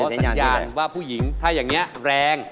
สัญญาณว่าผู้หญิงถ้าอย่างนี้แรง